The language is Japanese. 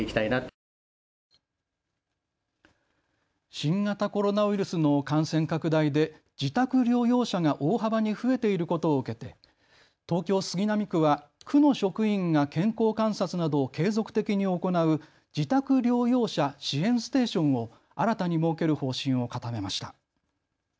新型コロナウイルスの感染拡大で自宅療養者が大幅に増えていることを受けて東京杉並区は区の職員が健康観察などを継続的に行う自宅療養者支援ステーションを新たに設ける方針を固めました。